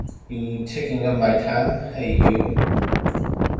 You taking up my time? — Hey, you!